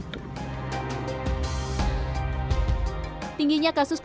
tingginya kasus kekerasan terhadap perempuan adalah kekerasan fisik